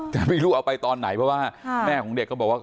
แต่ไม่รู้เอาไปตอนไหนเพราะว่าแม่ของเด็กก็บอกว่า